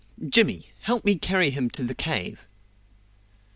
Jimmy! help me carry him to the cave."